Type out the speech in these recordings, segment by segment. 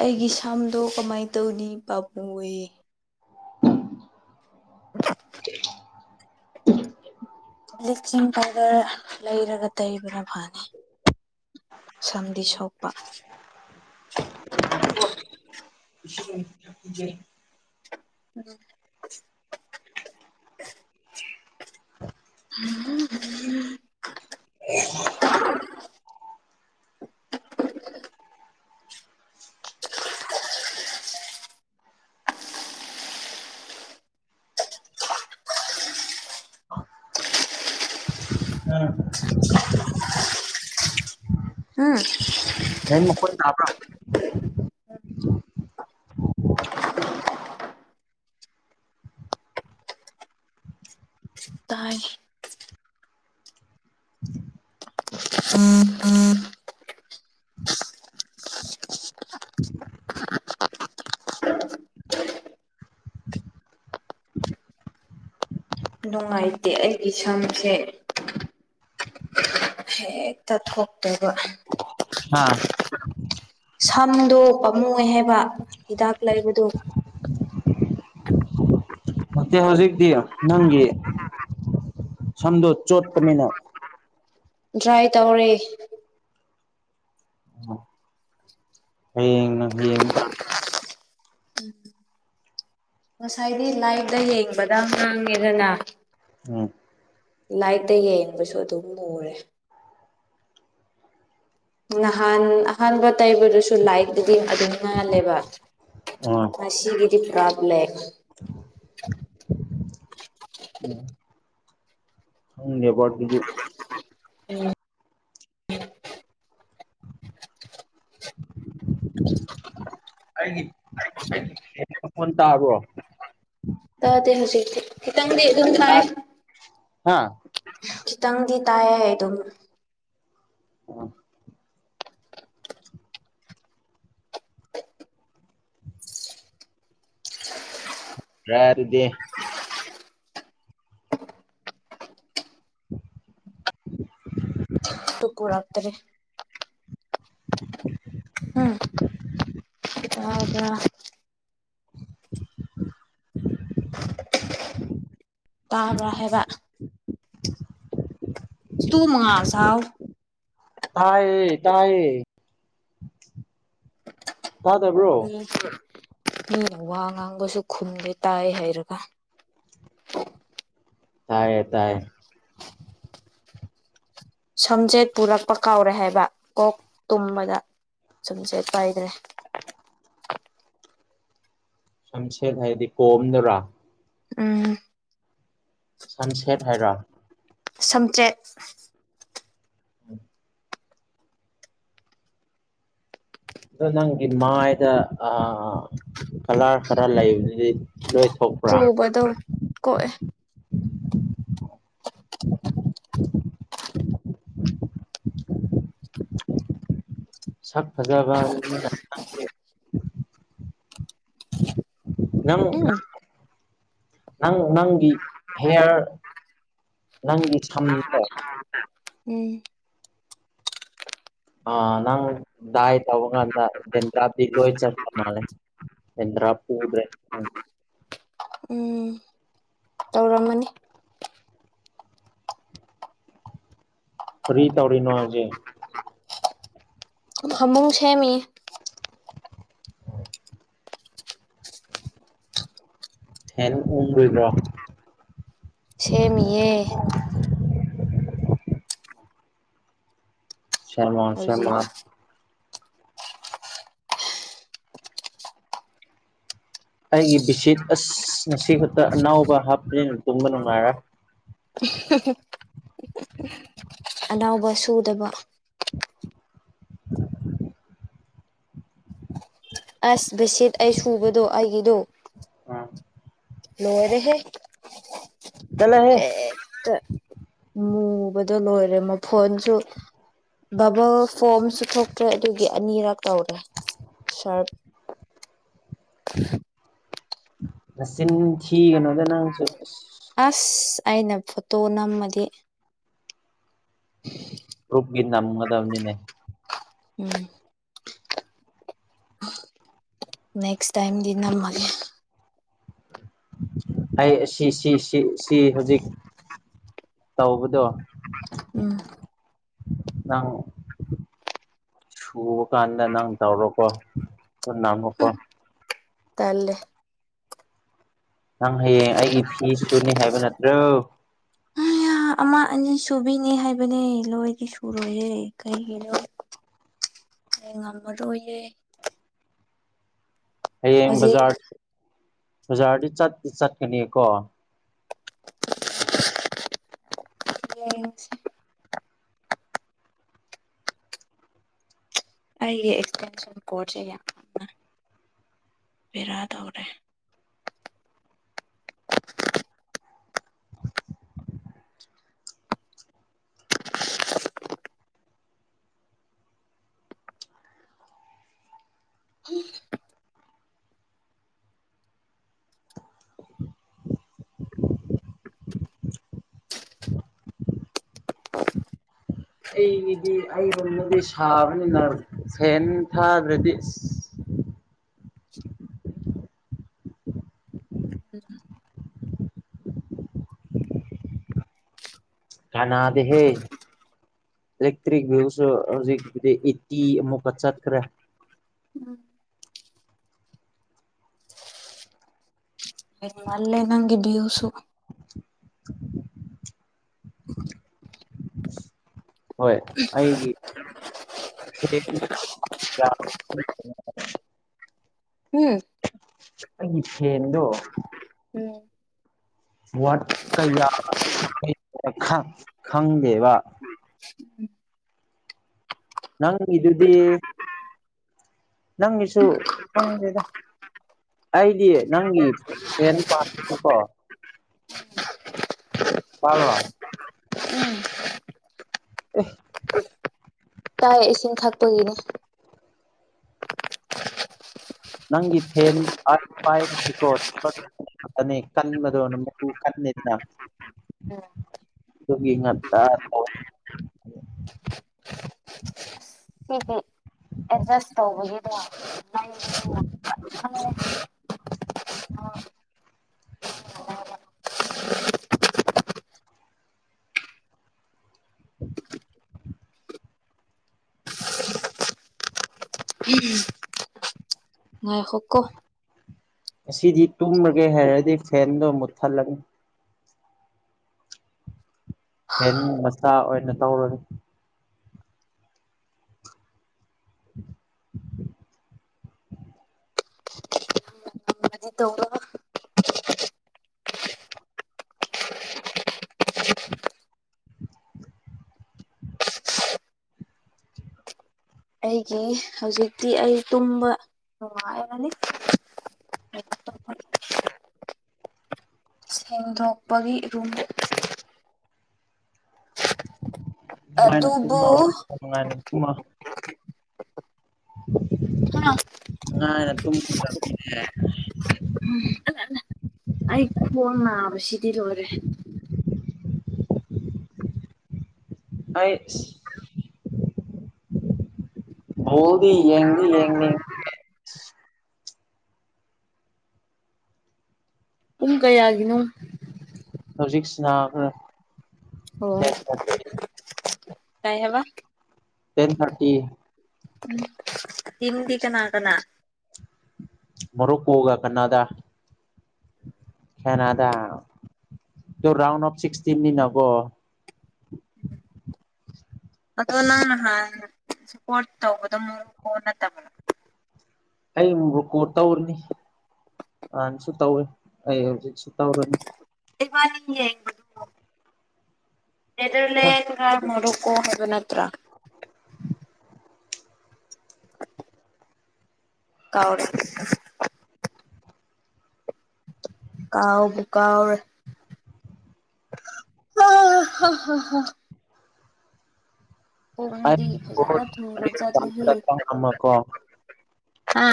ꯑꯩꯒꯤ ꯁꯥꯝꯗꯣ ꯀꯃꯥꯏꯅ ꯇꯧꯅꯤ ꯄꯥꯕꯨꯡ ꯑꯣꯏꯌꯦ [inaudible] ꯕ꯭ꯂꯤꯆꯤꯡ ꯄꯥꯎꯗꯔ ꯂꯩꯔꯒ ꯇꯩꯕꯅ ꯐꯅꯤ ꯁꯝꯗꯤ ꯁꯣꯛꯄ [inaudible] ꯎꯝ ꯍ ꯎꯝ ꯑꯣ ꯎ ꯎꯝ ꯅ ꯃꯈꯣꯏ ꯂꯥꯛ꯭ꯔ [unintelligible] ꯇꯥꯏ ꯎꯝ [unintelligible] [unintelligible] ꯅꯨꯡꯉꯥꯏꯇꯦ ꯑꯩꯒꯤ ꯁꯝꯁꯦ ꯍꯦꯛꯇ ꯊꯣꯛꯇꯦꯕ ꯍꯥꯥ ꯁꯝꯗꯣ ꯄꯥꯝꯃꯨ ꯍꯥꯏꯕ ꯍꯤꯗꯥꯛ ꯂꯩꯕꯗꯨ ꯅꯠꯇꯦ ꯍꯧꯖꯤꯛꯇꯤ ꯅꯪꯒꯤ ꯁꯝꯗꯣ ꯆꯣꯠꯄꯅꯤꯅ ꯗ꯭ꯔꯥꯏ ꯇꯧꯔꯦ ꯍꯡ ꯍꯡ ꯇ ꯉꯁꯥꯏꯗꯤ ꯂꯥꯏꯐꯇ ꯌꯦꯡꯕꯗ ꯉꯥꯡꯉꯦꯗꯅ ꯎꯝ ꯂꯥꯏꯠꯇ ꯌꯦꯡꯕꯁꯨ ꯑꯗꯨꯝ ꯃꯨꯔꯦ ꯅꯍꯥꯟ ꯑꯍꯥꯟꯕ ꯇꯩꯕꯗꯨꯁꯨ ꯂꯥꯏꯠꯇꯗꯤ ꯑꯗꯨꯝ ꯉꯥꯜꯂꯦꯕ ꯁꯒꯤꯗꯤ ꯄꯔꯥ ꯕꯦꯂꯛ ꯎ [unintelligible] ꯅꯦꯕꯔꯗꯤꯗꯤ ꯎꯝ [inaudible] ꯑꯩ ꯑꯩꯒꯤ ꯍꯦꯟ ꯃꯈꯣꯟ ꯇꯥꯕ꯭ꯔꯣ ꯇꯥꯗꯦ ꯍꯧꯖꯤꯛꯇꯤ ꯈꯤꯇꯪꯗꯤ ꯑꯗꯨꯝ ꯇ ꯇꯥꯏ ꯍꯥꯥ ꯈꯤꯇꯪꯗꯤ ꯇꯥꯏꯑꯦ ꯑꯗꯨꯝ ꯑ [unintelligible] ꯌꯥꯔꯗꯤ [unintelligible] [unintelligible] ꯇꯨ ꯀꯨꯔꯔꯛꯇꯦ ꯍꯗ [unintelligible] ꯎ [unintelligible] ꯇꯥꯕ꯭ꯔꯥ ꯍꯥꯏꯕ [unintelligible] ꯇꯥꯌꯦ ꯇꯌꯦ ꯃꯤꯅ ꯃꯤꯅ ꯋꯥ ꯉꯥꯡꯕꯁꯨ ꯈꯨꯝꯗꯦ ꯇꯥꯏ ꯍꯥꯏꯔꯒ ꯇꯥꯏꯌꯦ ꯇꯥꯏꯌꯦ ꯁꯝꯆꯦꯠ ꯄꯨꯔꯛꯄ ꯀꯥꯎꯔꯦ ꯍꯥꯏꯕ ꯀꯣꯛ ꯇꯨꯝꯕꯗ ꯁꯨꯝꯆꯦꯠ ꯄꯥꯏꯗ꯭ꯔꯦ ꯁꯝꯁꯦꯠ ꯍꯥꯏꯗꯤ ꯀꯣꯝꯗꯔꯥ ꯎꯝ ꯁꯝꯁꯦꯠ ꯍꯥꯏꯔ ꯁꯝꯆꯦꯠ ꯑꯗꯣ ꯅꯪꯒꯤ ꯃꯥꯏꯗ ꯑ ꯀꯂꯔ ꯈꯔ ꯂꯩꯕꯗꯨꯗꯤ ꯂꯣꯏ ꯊꯣꯛ ꯆꯨꯕꯗꯣ ꯀꯣꯛꯑꯦ ꯁꯛ ꯐꯖꯕ ꯅꯤꯅ ꯅꯪꯃꯨꯛ [unintelligible] ꯎꯝ ꯅꯪ ꯅꯪꯒꯤ ꯍꯦꯌꯔ ꯅꯪꯒꯤ ꯁꯝꯗꯣ ꯎꯝ ꯑ ꯅꯪ ꯗꯥꯏ ꯇꯧꯕ ꯀꯥꯟꯗ ꯗꯦꯟꯗ꯭ꯔꯥꯞꯇꯤ ꯂꯣꯏ ꯆꯠꯈ꯭ꯔ ꯃꯥꯜꯂꯦ ꯗꯧꯟ꯭ꯔ ꯄꯨꯗ꯭ꯔꯦ ꯎꯝ ꯇꯧꯔꯝꯃꯅꯤ ꯐꯔꯤ ꯇꯧꯔꯤꯅꯣ ꯍꯧꯖꯤ ꯐꯃꯨꯡ ꯁꯦꯝꯃꯤ ꯍ ꯎꯝꯔꯂꯥ ꯁꯦꯝꯦꯃꯤꯌꯦ ꯁꯔꯃꯥꯟ ꯍꯧꯖꯤꯛ ꯁꯔꯃꯥꯟ ꯑꯩꯒꯤ ꯕꯤꯠꯁꯤꯠ ꯑꯁ ꯉꯁꯤ ꯈꯛꯇ ꯑꯅꯥꯎꯕ ꯍꯥꯞꯄꯅꯤꯅ ꯇꯨꯝꯕ ꯅꯨꯡꯉꯥꯏꯔꯦ [inaudible] ꯑꯅꯥꯎꯕ ꯁꯨꯗꯕ [inaudible] ꯑꯁ ꯕꯦꯁꯤꯠ ꯑꯩ ꯁꯨꯕꯗꯣ ꯑꯩꯒꯤꯗꯣ ꯑꯥ ꯂꯣꯏꯔꯦ ꯍꯦ ꯆꯠꯂꯣꯍꯦ ꯍꯦꯛꯇ ꯃꯨꯕꯗꯣ ꯂꯣꯏꯔꯦ ꯃꯐꯣꯟꯁꯨ ꯕꯕꯜ ꯐꯣꯝꯁꯨ ꯊꯣꯛꯇ꯭ꯔꯦ ꯑꯗꯨꯒꯤ ꯑꯅꯤꯔꯛ ꯇꯧꯔꯦ ꯁꯔꯞ ꯅꯆꯤꯟ ꯊꯤꯒꯅꯣꯗ ꯅꯪꯁꯨ ꯑꯁ ꯑꯁ ꯑꯩꯅ ꯐꯣꯇꯣ ꯅꯝꯃꯗꯤ ꯒ꯭ꯔꯨꯞꯀꯤ ꯅꯝꯒꯗꯕꯅꯤꯅꯦ ꯎꯝ ꯅꯦꯦꯛꯁ ꯇꯥꯏꯝ ꯗ ꯅꯃꯒꯦ ꯑꯩ ꯁꯤ ꯁꯤ ꯁꯤ ꯁꯤ ꯍꯧꯖꯤꯛ ꯇꯧꯕꯗꯣ ꯎꯝ ꯑ ꯁꯨꯕ ꯀꯥꯟꯗ ꯅꯪ ꯇꯧꯔꯣꯀꯣ ꯑꯗꯨ ꯅꯥꯡꯉꯛꯄꯣ ꯇꯂꯦ ꯅꯪ ꯍꯌꯦꯡ ꯑꯩꯒꯤ ꯐꯤ ꯁꯨꯅꯤ ꯍꯥꯏꯕ ꯅꯠꯇ꯭ꯔꯣ ꯑ ꯑꯃ ꯑꯅꯤ ꯁꯨꯕꯤꯅꯤ ꯍꯥꯏꯕꯅꯦ ꯂꯣꯏꯗꯤ ꯁꯨꯔꯣꯏꯍꯦ ꯀꯩꯒꯤꯅꯣ ꯑ ꯉꯝ ꯃꯔꯨ ꯑꯣꯏꯌꯦꯦ ꯍꯌꯦꯡ ꯍꯧꯖꯤꯛ ꯕꯖꯥꯔ ꯕꯖꯥꯔꯗꯤ ꯆ ꯆꯠꯀꯅꯤꯀꯣ [unintelligible] ꯎ ꯑꯩꯒꯤ ꯑꯦꯛꯁꯇꯦꯟꯁꯟ ꯀꯣꯔꯁꯦ ꯌꯥꯝꯅ ꯕꯦꯔꯥ ꯇꯧꯔꯦ [inaudible] ꯎꯝ ꯑꯩꯒꯤꯗꯤ ꯑꯩ ꯔꯨꯝꯗꯗꯤ ꯁꯥꯕꯅꯤꯅ ꯐꯦꯟ ꯊꯥꯗ꯭ꯔꯗꯤ ꯎꯝ ꯀꯅꯥꯗꯦ ꯍꯦ ꯏꯂꯦꯛꯇ꯭ꯔꯤꯛ ꯚ ꯍꯧꯖꯤꯛ ꯑꯦꯠꯇꯤ ꯑꯃꯨꯛꯀ ꯆꯠꯈ꯭ꯔꯦ ꯎꯝ ꯃꯂꯦ ꯅꯪꯒꯤꯦ ꯌꯁꯨ ꯍꯣꯏ ꯑꯩꯒꯤ ꯈꯦꯗꯤ ꯎꯝ ꯑꯩꯒꯤ ꯐꯦꯟꯗꯣ ꯎꯝ ꯋꯥ ꯀꯌꯥ ꯈꯪꯗꯦꯕ ꯅꯪ ꯏꯗꯨꯗꯤ ꯅꯪꯒꯤꯁꯨ ꯈꯪꯗꯦꯗ ꯑꯩꯗꯤ ꯅꯪꯒꯤ ꯐꯦꯟ ꯄꯥꯅꯀꯣ ꯄꯥꯔ ꯋꯥ ꯎ ꯇꯥꯏ ꯏꯁꯤꯡ ꯊꯛꯄꯒꯤꯅꯦ ꯅꯪꯒꯤ ꯐꯦꯟꯣ ꯑꯅꯤ ꯀꯟ ꯃ ꯑꯗꯨꯣ ꯄ ꯀꯟꯅꯅ ꯉ ꯇ ꯁꯤꯗꯤ ꯑꯦꯗꯖꯁ ꯇꯧꯕꯒꯤꯗ [inaudible] ꯎꯝ ꯉꯥꯏ ꯈꯣꯀꯣ ꯑꯁꯤꯗꯤ ꯇꯨꯝꯃꯒꯦ ꯍꯥꯏꯔꯗꯤ ꯐꯦꯟꯗꯣ ꯃꯨꯠ ꯊꯠꯂꯅꯤ ꯐꯦꯟ ꯃꯆꯥ ꯑꯣꯏꯅ ꯇꯧꯔꯅꯤ [inaudible] ꯗꯤ ꯇꯧ [inaudible] ꯑꯩꯒꯤ ꯍꯧꯖꯤꯛꯇꯤ ꯑꯩ ꯇꯨꯝꯕ ꯅꯨꯡꯉꯥꯏꯔꯅꯤ ꯍ [unintelligible] ꯁꯦꯡꯗꯣꯛꯄꯒꯤ ꯏꯔꯨꯝꯗ ꯅꯨꯡꯉꯥꯏꯅ ꯑꯗꯨꯕꯨ ꯇꯨꯝꯃ ꯅꯨꯡꯉꯥꯏꯅ ꯇꯨꯝꯃ ꯑ ꯅꯨꯉꯥꯏꯅ ꯇꯨꯝꯒꯗꯕꯅꯤꯅꯦ ꯎꯝ ꯑꯩ ꯈꯣꯡ ꯅꯥꯕꯁꯤꯗꯤ ꯂꯣꯏꯔꯦ ꯑꯩꯁ ꯕꯣꯜꯗꯤ ꯌꯦꯡꯗꯤ ꯌꯦꯡꯅꯤꯡ ꯀꯨꯝ ꯀꯌꯥꯒꯤꯅꯣ ꯍꯧꯖꯤꯛꯁꯤꯅ ꯑꯣ ꯇꯥꯏ ꯍꯕ ꯇꯦꯟ ꯊꯥꯔꯇꯤ ꯎ ꯇꯤꯟꯗꯤ ꯀꯅꯥ ꯀꯅꯥ ꯃꯔꯨ ꯀꯣꯒ ꯀꯅꯥꯗꯥ ꯀꯅꯥꯗꯥ ꯇꯔꯥꯎꯟ ꯑꯣꯐ ꯁꯤꯁꯇꯤꯟ ꯅꯤ ꯅꯀꯣ ꯎ [unintelligible] ꯑꯗꯣ ꯅꯪ ꯑꯁ ꯅꯍꯥꯟ ꯁꯄꯣꯔꯠ ꯇꯧꯕꯗꯣ ꯃ ꯐꯣ ꯅꯠꯇꯕꯅ ꯑꯩ ꯑꯃꯨꯛ ꯔꯀꯣꯠ ꯇꯧꯔꯅꯤ ꯍꯥꯟꯅꯁꯨ ꯇꯧꯋꯦ ꯑꯩ ꯍꯧꯖꯤꯛꯁꯨ ꯇꯧꯔꯅꯤ ꯏꯐꯥ ꯅꯤꯡꯌꯦ ꯅꯦꯗꯔꯂꯦꯟ ꯒ ꯃꯣꯔꯣꯀꯣ ꯒꯗꯣ ꯅꯠꯇ꯭ꯔꯥ [inaudible] ꯀꯥꯎꯔꯤ ꯀꯥꯎꯕꯨ ꯀꯥꯎꯔꯦ ꯑ ꯍ ꯍ ꯍ ꯐ ꯐꯖꯅ ꯊꯨꯅ ꯆꯠꯂꯦꯍꯦ ꯆꯠꯄ ꯉꯝꯃꯀꯣ ꯍꯥ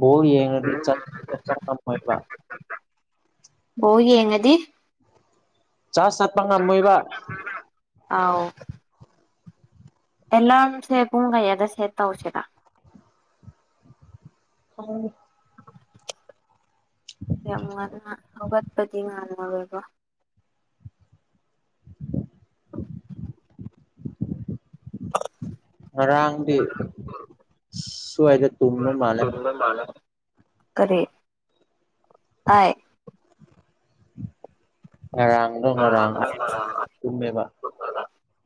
ꯕꯣꯜ ꯌꯦꯡꯂꯗꯤ ꯆꯠ ꯆꯠꯂꯝꯃꯣꯏꯕ ꯕꯣꯜ ꯌꯦꯡꯉꯗꯤ ꯆꯥꯖ ꯆꯠꯄ ꯉꯝꯃꯣꯏꯕ ꯑ ꯑꯦꯂꯥꯔ ꯁꯦ ꯄꯨꯡ ꯀꯩꯗ ꯁꯦ ꯇꯧ ꯎꯆꯦꯗ ꯑ ꯍꯧꯒꯠꯄꯗꯤ ꯉꯥꯝꯃꯔꯣꯏꯕꯣ ꯉꯔꯥꯡ ꯗꯤ ꯁꯨꯋꯥꯏꯗꯦ ꯇꯨꯝꯕ ꯃꯥꯜꯂꯦ ꯃꯥꯂꯕ ꯀꯔꯤ ꯇꯥꯏ ꯉꯔꯥꯡꯗꯣ ꯉꯔꯥꯡ ꯑꯩ ꯇꯨꯝꯃꯦꯕ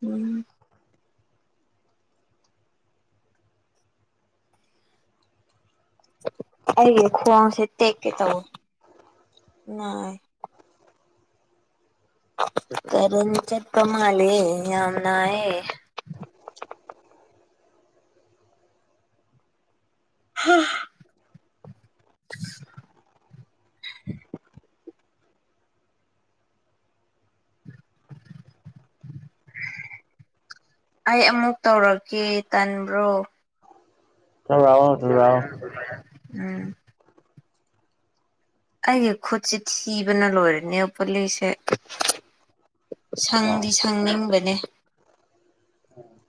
ꯎꯝ ꯑꯩ ꯈꯋꯥꯡꯁꯦ ꯇꯦꯛꯀꯦ ꯇꯧꯋꯦ ꯅꯥꯏ ꯀꯔꯟ ꯆꯠꯄ ꯃꯥꯥꯂꯦ ꯌꯥꯝꯅꯥꯌꯦ [inaudible] ꯍ [inaudible] [inaudible] [inaudible] ꯑꯩ ꯑꯃꯨꯛ ꯇꯧꯔꯛꯀꯦ ꯇꯟꯕ꯭ꯔꯣ ꯍꯥꯎ ꯎꯝ ꯑꯩꯒꯤ ꯈꯨꯠꯁꯦ ꯊꯤꯕꯅ ꯂꯣꯏꯔꯅꯦ ꯄꯣꯠꯂꯤꯁꯦ ꯁꯪꯗꯤ ꯁꯪꯅꯤꯡꯕꯅꯦ ꯎꯝ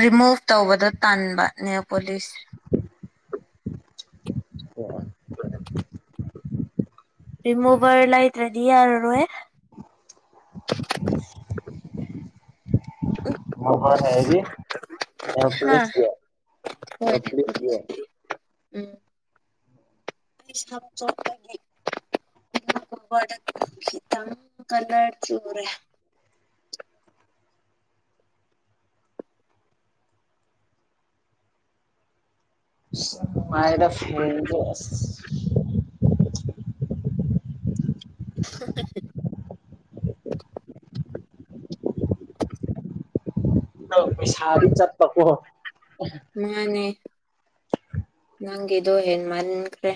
ꯔꯤꯃꯨꯚ ꯇꯧꯕꯗꯣ ꯇꯟꯥꯟꯕ ꯅꯄꯣꯂꯤꯁ ꯍ ꯍ ꯔꯤꯃꯨꯕꯔ ꯂ ꯂꯩꯇ꯭ꯔꯗꯤ ꯌꯥꯔꯔꯣꯏ ꯃ ꯀ ꯍꯥꯏꯗꯤ ꯅ ꯍꯥꯥ ꯄꯨꯂꯤꯁ ꯑꯣ ꯞꯆꯗꯒꯤ ꯈꯤ ꯀꯂꯔ ꯆꯣꯔꯦ ꯃꯥꯏꯗ ꯐ ꯎ ꯪ ꯄꯩꯁꯥꯗꯤ ꯆꯠꯄꯀꯣ ꯃꯥꯅꯦ ꯅꯪꯣ ꯍ ꯃꯥꯈ꯭ꯔꯦ